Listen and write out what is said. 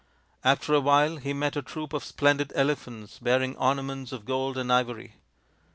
After a while he met a troop of splendid elephants bearing ornaments of gold and ivory.